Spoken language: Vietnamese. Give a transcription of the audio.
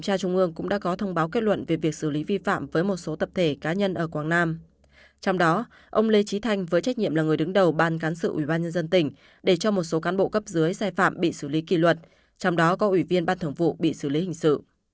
trong đó ông lê trí thanh với trách nhiệm là người đứng đầu ban cán sự ủy ban nhân dân tỉnh để cho một số cán bộ cấp dưới sai phạm bị xử lý kỳ luật trong đó có ủy viên ban thường vụ bị xử lý hình sự